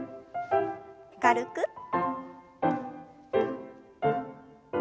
軽く。